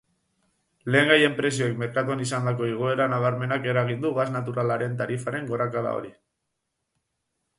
Lehengaien prezioek merkatuan izandako igoera nabarmenak eragin du gas naturalaren tarifaren gorakada hori.